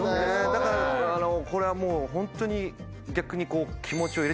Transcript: だからこれはもうホントに逆にこう。